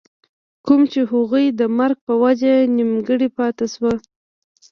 کوم چې َد هغوي د مرګ پۀ وجه نيمګري پاتې شو